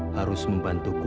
harus membantu aku